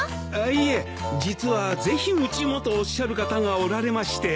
いいえ実は「ぜひうちも」とおっしゃる方がおられまして。